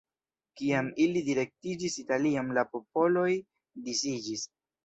Kiam ili direktiĝis Italion la popoloj disiĝis.